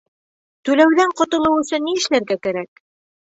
Түләүҙән ҡотолоу өсөн ни эшләргә кәрәк?